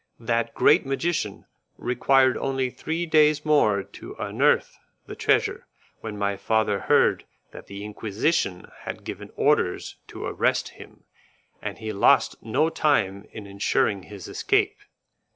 That great magician required only three days more to unearth the treasure when my father heard that the Inquisition had given orders to arrest him, and he lost no time in insuring his escape.